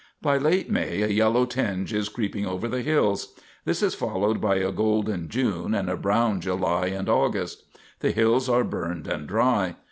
By late May a yellow tinge is creeping over the hills. This is followed by a golden June and a brown July and August. The hills are burned and dry.